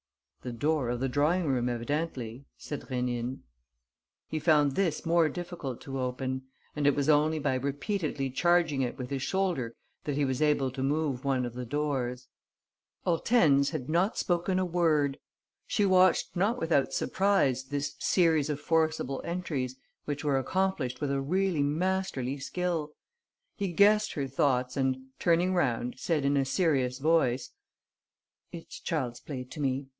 "The door of the drawing room, evidently," said Rénine. He found this more difficult to open; and it was only by repeatedly charging it with his shoulder that he was able to move one of the doors. Hortense had not spoken a word. She watched not without surprise this series of forcible entries, which were accomplished with a really masterly skill. He guessed her thoughts and, turning round, said in a serious voice: "It's child's play to me.